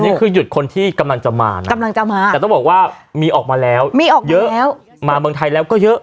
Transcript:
อันนี้คือหยุดคนที่กำลังจะมาแต่ต้องบอกว่ามีออกมาแล้วเยอะมาเมืองไทยแล้วก็เยอะ